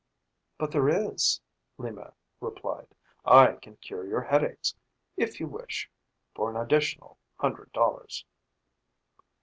"But there is," Lima replied. "I can cure your headaches, if you wish for an additional hundred dollars."